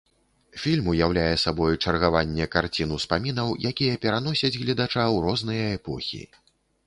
Фільм уяўляе сабой чаргаванне карцін-успамінаў, якія пераносяць гледача ў розныя эпохі.